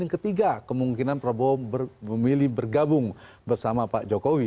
yang ketiga kemungkinan prabowo memilih bergabung bersama pak jokowi